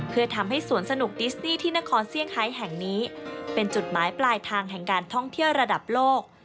เพื่อทำให้สวนสนุกดิสตี้ที่นครเซี่ยงไฮแห่งนี้เป็นจุดหมายปลายทางแห่งการท่องเที่ยวระดับโลก